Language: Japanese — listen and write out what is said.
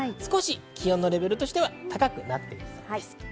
気温のレベルとしては高くなってきそうです。